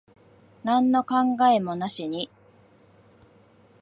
なんの考えもなしに。